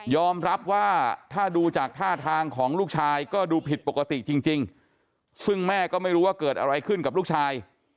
รับว่าถ้าดูจากท่าทางของลูกชายก็ดูผิดปกติจริงซึ่งแม่ก็ไม่รู้ว่าเกิดอะไรขึ้นกับลูกชาย